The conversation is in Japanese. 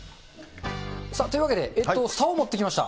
さあ、というわけでさお持ってきました。